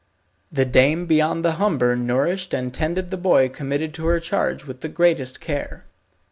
The dame beyond the Humber nourished and tended the boy committed to her charge with the greatest care.